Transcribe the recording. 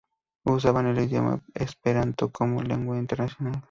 Usaban el idioma Esperanto como lengua internacional.